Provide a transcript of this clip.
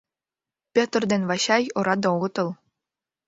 Пӧтыр ден Вачай ораде огытыл...